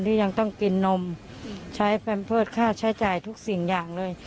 ที่ยังต้องกินนมใช้แพมเพิร์ตค่าใช้จ่ายทุกสิ่งอย่างเลย